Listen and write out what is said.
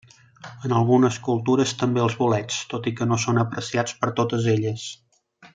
En algunes cultures també els bolets, tot i que no són apreciats per totes elles.